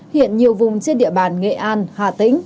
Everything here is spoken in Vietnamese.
hiện nhiều vùng trên địa bàn nghệ an hà tĩnh